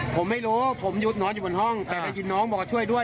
ผมไม่รู้ผมหยุดนอนอยู่บนห้องแต่ได้ยินน้องบอกว่าช่วยด้วย